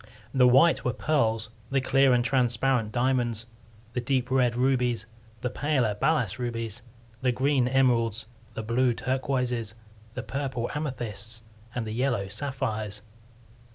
The white were pearls; the clear and transparent, diamonds; the deep red, rubies; the paler, balas rubies; the green, emeralds; the blue, turquoises; the purple, amethysts; and the yellow, sapphires.